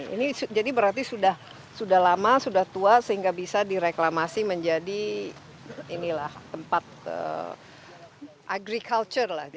ini jadi berarti sudah lama sudah tua sehingga bisa direklamasi menjadi tempat agriculture lah